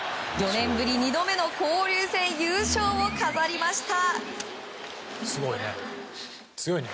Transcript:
４年ぶり２度目の交流戦優勝を飾りました。